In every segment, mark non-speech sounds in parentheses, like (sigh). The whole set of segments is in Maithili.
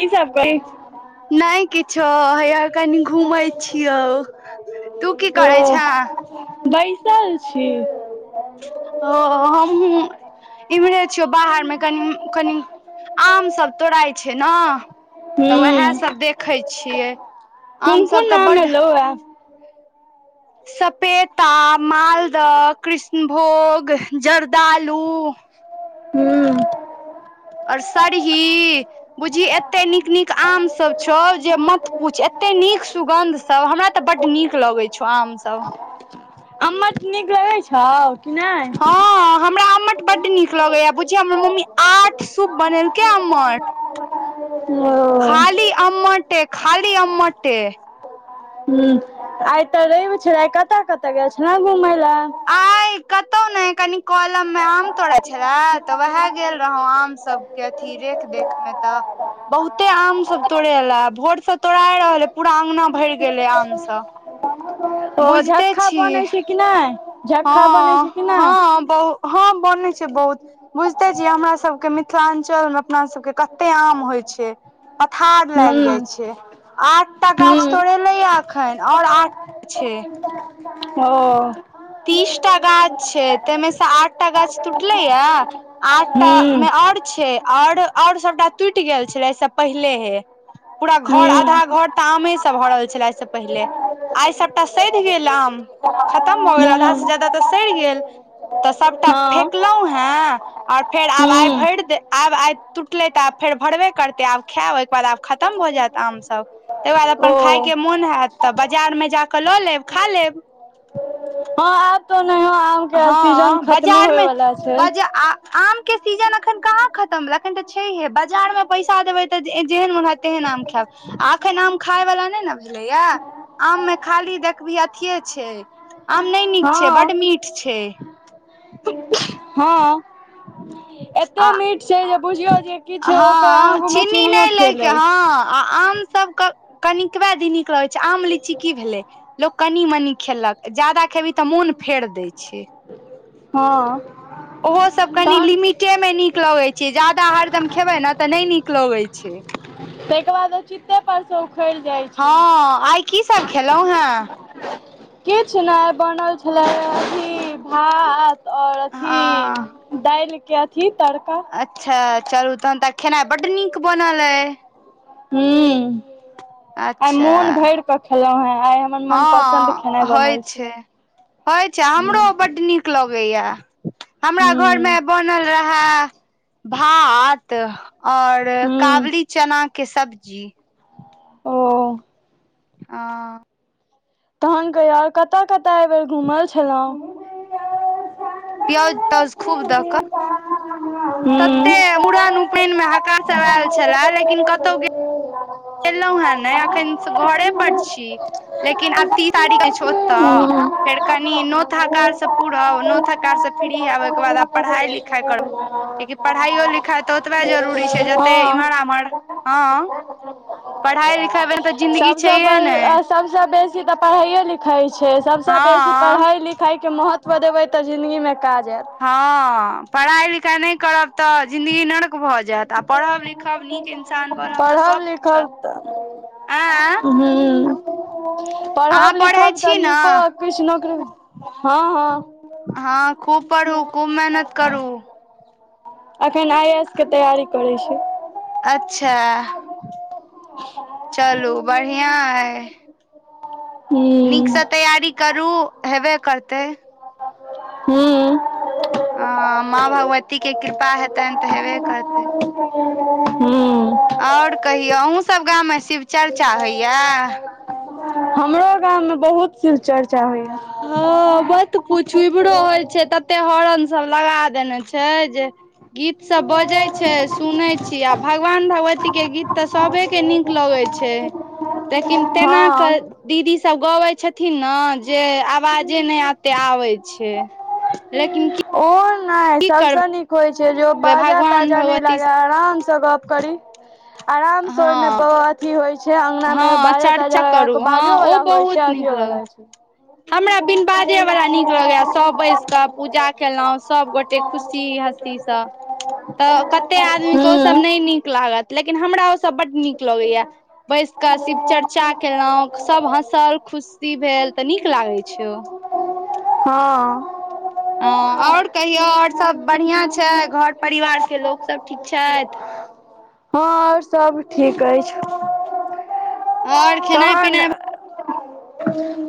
की सब करी नहि किछ हय तू की करै ओ छें बइ चल छी ओ हम इम्हरे छियो बाहर मे कनि कनि आम सब तोड़इ छै ने तऽ उएह हूँ सब देखै छियै आम कोन सब कोन तऽ बड एलौ ए सपेता मालदह कृष्णभोग जरदालू ह् आओर सरही बुझही एते नीक नीक आमसभ छौ जे मत पूछ एतेक कते नीक सुगन्ध सब हमरा तऽ बड नीक लगै छौ आम सब अमर नीक लगै छौ कि नै हँ हमरा आमठ बड्ड नीक लगैया पूछििय हमर मम्मी आठ सूप बनेलकै अम्मट (inaudible) ओ खाली अमट खाली अमट ह आइ ते र छै आइ कतऽ कतऽ गेल छल ने घुम आइ कतहु ने कनी कलम मे आम तोड़े छले तऽ वएह गेल रहौ आम सबके अथी रेख देखख मे तऽ बहुते आम सब तोड़े ला भोरसँ तोड़ा रहले पूरा अङगना भरि गेलै आम सभ ओ झट्का बनै छै। कि नहि हँ हँ बहु हँ बने छै। बहुत बुझते छियै हमरा सबके मिथिल तहन चल मे अपना सबके कते आम होइ छै। पथार लागि हूँ जाइ छै। आठटा गाछ हूँ तोड़ ल एखन आओर आठ छै। ओ तीसटा गाछ छै तामे से आठटा गाछ टूटले या आठटा हूँ मे आओर आओर छै। आओर आओर सभटा टूटि गेल छल एहि से पहिले हे पूरा घर हूँ आधा घर तऽ आमेसँ भ रहल छलै एहिसँ पहिले आइ सभटा सधि गेल आम खतम भऽ गेल आधा स से हूँ ज्यादा तऽ सड़ि गेल तऽ सबटा हँ फेकलहु हें आओर फेर आब आइ भरि हूँ दे आइ आइ टूटले तऽ आब फेर भरबे करतै आब खा तकर बाद आब खतम भऽ जायत आम सब तहि बाद अपन ओ खााय के हँ मोन होयत तऽ बाजार मे जाके लऽ लेब खा लेब हँ आब त हँ बाजारमे वला छै बज आम के सीजन अखन कहाँ खतम भेलै एखन तऽ छैहे बाजार मे पैसा देबै तऽ जेहन मन ह तेहन आम खाय आखन आम खाय वला नहि ने बुझले या आम मे खाली देखबी अथे छै आम नहि नीक छै हँ बड मीठ छ हँ (inaudible) आ एते मीठ छै जे बुझियौ जे किछु ओकर ह आगू मे चीनी चीनियो नहि लैइ फेल के ह अछि आ आम सब क कनिकबा दिन नीक लगे छै। आम लीची की भेले लोग कनि मनी खेलक ज्यादा खेबही तऽ मोन फेर दै छै। हँ ओहो सब कनी तहन लिमिटे मे नीक लगैत छै। जादा हरदम खेबै ने तऽ नहि नीक लगैत छै। (inaudible) ताहिके बाद ओ चित्तेपरसँ उखाड़ि जाइ छै। हँ आइ की सब खेलौं हं किछु नहि बनल छलै अथी भात आओर अथी हँ दालिके अथी तड़का अच्छा चलू तहन तऽ खेनाइ बड्ड नीक बनल अइ हू (unintelligible) अच्छा खेलहुँ हेँ आइ हमर मनपसन्द खेनाइ हँ बनल होइ छलै छै। होइ छै हमरो हूँ बड नीक लगैया हमरा घरमे हूँ बनल रहए भात आओर हूँ कावली चनाके सब्जी ओ हँ तहन कहियौ कतय-कतय एहिबेर घूमल छलहुँ पियोज तउज खूब दअ‌ कअ हूँ तते मूड़न उपयनमे हकार सभ आयल छलाए लेकिन कतहु गेलहुं हें ने अखन घरे पर छी (unintelligible) लेकिन आब तीस तारीख के छै। ओतऽ फेर कनि नौत हकार सब पुरब नौत हकार सेश फ्रि आब ओहिके बाद आब पढ़ाइ-लिखाइ करब कियाकि पढ़ाइयो लिखाइ हूँ। तऽ ओतबे जरूरी छै। जते हँ इम्हर आम्हर हँ पढ़ाई लिखाई बिना तऽ जिन्दगी सबसँ छैहे बड़ी ने सब सभसँ बेसी तऽ पढ़ाइयए लिखाइ छै। सभसँ बेसी हँ पढ़ाइ लिखाईके महत्व देबै तऽ जिनगी मे हँ पढ़ाई लिखाई नहि करब तऽ जिंन्दगी नर इन्सान बनब तऽ पढ़ब सब लिखब पूछत तऽ आँ हुंअ अहाँ पढ़ब पढ़ै लिखब तऽ छी ने नीको किछु नौकरी हँ हँ हँ खूब पढ़ू खूब मेहनत करू अखन आइ एस के तैयारी करै छी अच्छा चलू बढ़िया हय ह नीकसँ तैयारी करू हेबे करतै ह ह ह माँ भगवती के कृपा हेतनि तऽ हेबे करतै आओर कहियौ अहुँसभ गाममे शिव चर्चा होइए हमरो गाममे बहुत शिवचर्चा हँ मत पूछु छुइबरो होइ छै। तते होरन सब लगा देने छै। जे गीत सब बजै छै। सुने छी आ भगवान भगवती के गीत ते सबे के नीक लगे छै। छै लेकिन तेना हँ कअ दिली सब गबै छथिन ने जे आवाजे नहि अते आबै छै। लेकिन कि ओ नहि सबसँ नीक होइ छै। जे ओ बाजा - भगवान ताजा नहि भगवती लागे आराम से गप्प करी आराम से हँ ओहिमें अथी होय छै अंगना मे हँ बाजा ताजा चर्चा लगा करू के हँ बाजो ओ वाला होय बहुत छै। की नीक हो लगे बला छै। हमरा बिन बाजे वला नीक लगैया सए बैस क पूजा केलहुँ सभगोटे खुशी हसीसँ तऽ कते आदमीे क ओसभ नहि हूँ नीक लागत लेकिन हमरा ओ सब बड नीक लगेया बैस क शिव चर्चा केलहुॅं सब हँसल खुशी भेल तऽ नीक लागै छौ हँ हँ ओर कहियौ ओर सभ बढ़िआँ छै घर परिवारके लोक सब ठीक छैत हँ ओर सभ ठीक अछि आओर खेनाइ तहन पिनाइ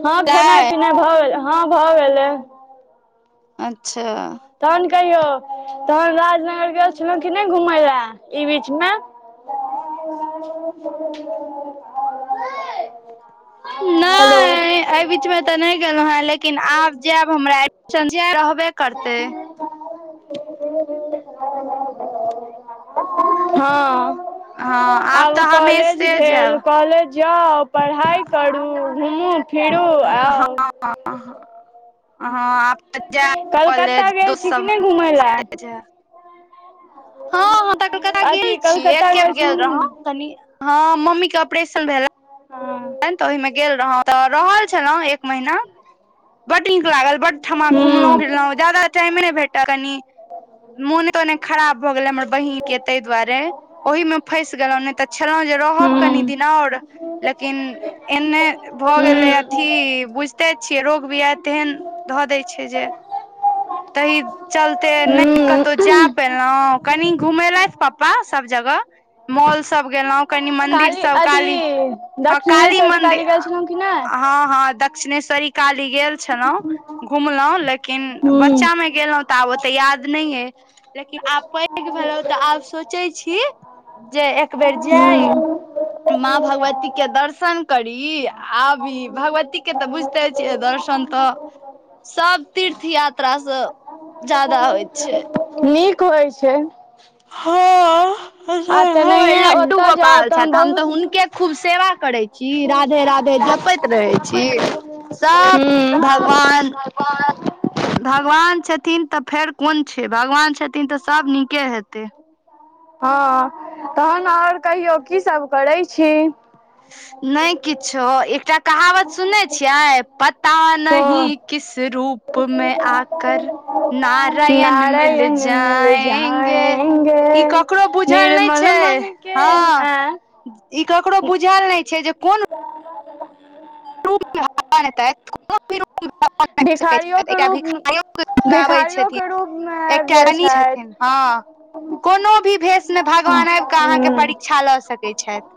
हँ खेनाइ भेलै पिनाइ भऽ गेलै हँ भऽ गेलै अच्छा तहन कहियौ तहन राजनगर गेल छलहुँ कि नहि घुमय लए ई बीचमे (inaudible) हेलो नैय एहि बीचमे तऽ नहि गेलहुँ हेँ लेकिन आब जायब हमरा एडमिशन जा रहबे करतै हँ हँ तऽ आब कॉलेज हमेशे भेल जायब कॉलेज जाउ पढ़ाइ करू घुमू फिरू आउ हँ हँ जा कलकत्ता कॉलेज गेल डोस छी कि नहि घुमय लए हँँ तऽ कलक्ता गेल अथी छीय कलकत्ता एके बेर गेल रहौ छी कनी हँ मम्मी के ऑपरेशन भेला तऽ ओहिमे गेल रहौ तऽ रहल छलहुँ एक महीना ब बड नीक लागल बड्ड ठमा घुमलहुँ फिरलहुँ ज जादा टाइमे नहि भेटत कनि मोन तने खराब भऽ गेल हमर बहिन के ताहि दुआरे ओहि मे फसि गेलहु नहि तऽ छलहु से रहब कनि दिना और लेकिन एने भ गेले अथि काली बुझते छियै रोग बियाह तेहन धऽ दै छै। जे तही चलते नहि कतहु जाय पेलहु कनि घुमेलथि पाप्पा सब जगह मॉल सब गेलहो कनि मन्दिर सब काली अथी हा काली दक्षिणेश्वरी मन्दिर गेल छलहुँ कि नहि हा हा दक्ष्ने काली गेल छलहु घुमलहुं लेकिन ब हूँ बच्चा मे गेलहुँ तऽ आब ओते याद नहि ये लेकिन आब पैघ भेलहुँ तऽ आब सोचै छी जे एक बेर जाइ हूँ माँ भगवती के दर्शन करी आबी भगवती के तऽ बुझते छियैर दशन तऽ सब तीर्थ यात्रा स ज्यादा होइ छै। नीक होइ छै हँ आ तेनाहिये लड्डू ओतऽ जाउ गोपाल छथि हम तऽ बहुत हूँ हुनके खूब सेवा करै छी राधे राधे जपैत रहै छी सब भगवान भगवान छथिन तऽ फेर कोन छै भगवान छथिन तऽ सभ नीके हेतै हँ तहन ओर कहियौ कीसभ करै छी नहि किछो एकटा कहावत सुनै छियै पता तो नही किस रूप में आकर नारायण मिल नारायण मिल जायंगे जाएंगे ई ककरो बुझल नहि निर्मल छै। मन के हँ आ ई ककरो बुझायल नहि छै। जे कोन कोन रूप मे आन इते एकटा भिखारियो के रूप भिखाइो के रूपमे आबै भिखारियो के छथिन रूप मे आबि एकटा जाइ रानी छथिन छथि हँ कोनो भी भेषमे भगवान आब कऽ अहाँके हूँ परीक्षा लऽ सकैत छथि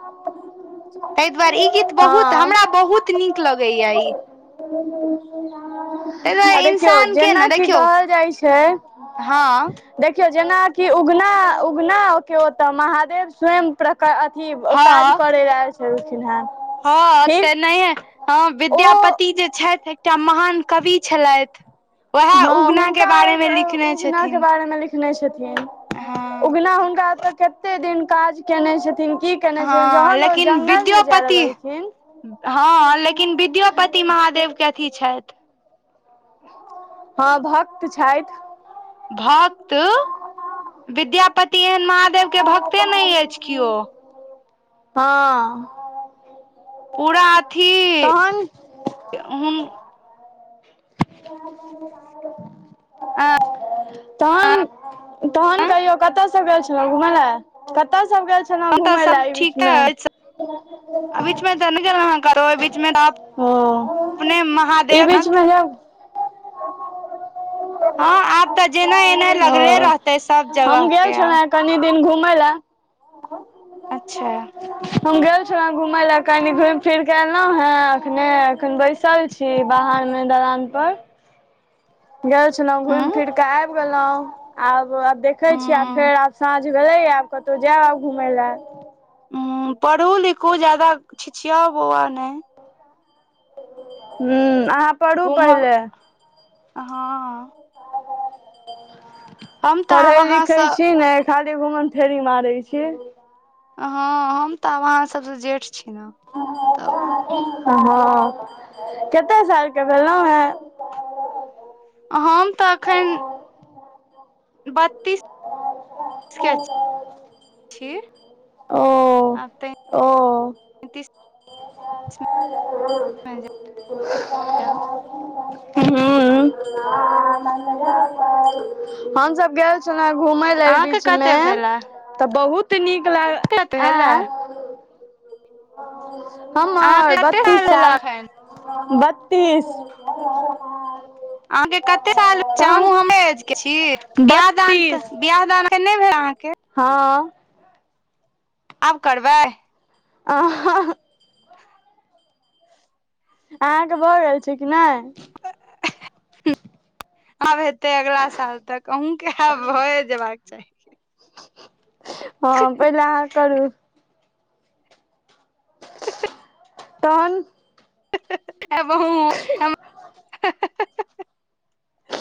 तहि दुआरे ई गीत बहुत हमरा हँ बहुत नीक लगैया ई ह आ देखियौ जेनाकि कहल जाइ हँ छै देखियौ जेना कि उगना उगना के ओतऽ महादेव स्वयं प्र क अथी काज हँ करै लै आयल छलखिन हेँ हँ ठीक तेनाहियै हँ ओ विद्यापति जे छथि एकटा महान कवि छलथि वएह हँ उगना के हुनका बारे मे लिखने उगना के छथिन बारे मे लिखने छथिन हँ उगना हुनका एतऽ कते दिन काज केने छथिन की केने छथिन हँ जहन ओ लेकिन जंगल मे जाय विद्योापति लगलखिन हँ लेकिन विद्योपति महादेव के अथी छथि हँ भक्त छथि भक्त विद्यापति एहन महादेव के भक्त ते नइ अछि कियो हँ पूरा अथी तहन हुन आ तहन तहन कहियौ कतय सँ गेल छलहुँ घुमय ल कतऽ सँ सब गेल छलहुं घूमय लए एहि बीच में अइ बीचमे तऽ ने गेलउ है कतों अइ बिचमे ह ई बीच मे हँ आब तऽ जेना एनाय त लगले रहतै सब जगह के आब ह घुमय ला अच्छा हम गेल छलउ घुमै ला कनी घूमि फिर के एलहुं हें अखने अखन बैसल छी बाहर मे मे दलान पर गेल छलौं घुम हँ फिर के आबि गेलहु आब आब देखे छी आ उं फेर आब साँझ भैलइ या आब कतहु जायब आब घुमय लए ह पढ़ू लिखू जादा छिछियाउ बौआउ नइ ह्म्म अहाँ पढ़ू घूमब पहिले हँ हम तऽ आब पढ़ै लिखै अहाँसँ छी ने खाली घुम फेरी मारै छी हँ हम तऽब आहाँ सब सँ जेठ छी ने तब हँ कतेक सालके भेलउ हें हम तऽ एखन बत तीस के छी आब तैतिस हँ जाउ हँ हमसभ गेल छलहुँ घुमय लए एइ अहाँके बीच कते मेँ भेला तऽ बहुत नीक लागल कते आ भेला हमर अहाँके कते बत्तीस भेला साल एखन बत तीस अहाँ के कते साल अच्छा आहु हमरे ऐज के छी बियाह दान बत्तीस बियाह दान त नइ भेला आहा के हँ आब करबै अहह अहाँ के भऽ गैल छै कि नइ आब हेतै अगला साल तक अहूँ के आब भए जेयबाक चाही हँ पहिले अहाँ करू (inaudible) तहन आइ बहु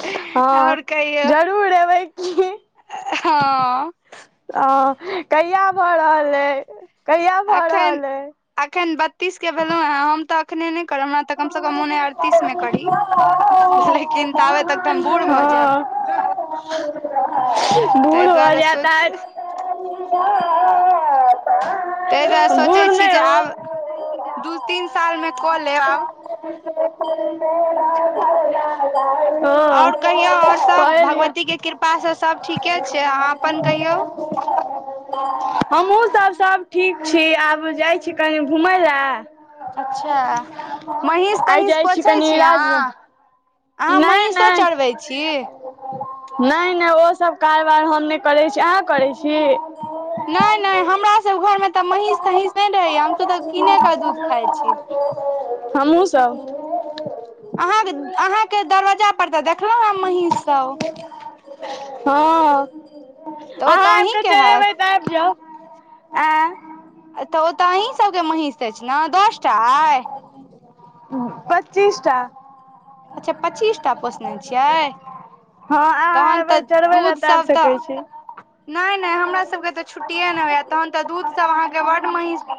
हँअ् कहियौ जरूर एबै की हं हँ कहिया भऽ रहल अइ कहिया भऽ अखन रहल अइ अखन बत्तीस के भेलहुँ ह हम तऽ एखने नै हमरा तऽ कमसँ कम मोन हय अड़तीस में करी लेकिन तावे तक तऽ हम बूढ़ भऽ जायब हँ बूढ़ तैइ भऽ दुआरे जायत आइ सोचै तैई दुआरे सोचै बूढ़ छी नहि जे हो आब दू तीन सालमे कऽ लेब आब ल (unintelligible) आउर कहियौ आओर सब भगवतीके कृपासँ सभ ठीके छैइ अहाँ अपन कहियौ (unintelligible) हमहूं सब सब ठीक छी आब जाई छी कनि घुमय लए अच्छा महीष आइ तहींष जाइत छी पोछै कनि अहाँ राजनगर अहाँ नहि महीषो नहि चरबै छी नई नई ओसभ कारबार हम नहि करैत छी अहाँ करैत छी। नहि नहि हमरा सभ घरमे तऽ महीस तहींस नहि रहैया हमसभ तऽ कीनेकेऽ दूध खाइत छी हमहूं सब अहाँके अहाँके दरवाजा पर तऽ देखलहुँ ह महीषसभ हँअ् तऽ ओ अहाँ तऽ आबिकऽ अहीँके हैत चलेबै तऽ आबि जाउ आँय तऽ ओ तऽ अहीं सबके महीष अछि ने दस टा अइ पच्चीसटा अच्छा पच्चीस टा पोसने छियै हँ अहाँ तहन एबै तऽ चढ़बै लए दूध तऽ सब आबि सकै छी तऽ नई नई हमरा सबके तऽ छुट्टीए नई होइए तहन तऽ दूध सब अहाँकेँ बड्ड महीस